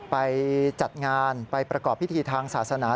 ไปจัดงานไปประกอบพิธีทางศาสนา